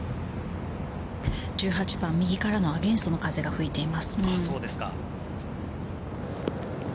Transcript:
１８番、右からのアゲンストの風が吹いています。